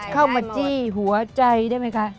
เข้ามาจี้หัวใจได้ไหมคะ